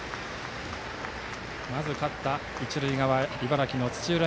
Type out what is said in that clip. まず勝った一塁側、茨城・土浦